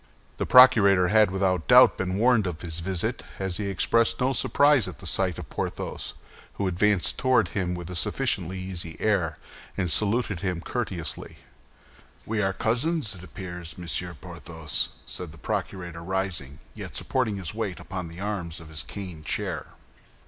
The procurator had without doubt been warned of his visit, as he expressed no surprise at the sight of Porthos, who advanced toward him with a sufficiently easy air, and saluted him courteously. "We are cousins, it appears, Monsieur Porthos?" said the procurator, rising, yet supporting his weight upon the arms of his cane chair.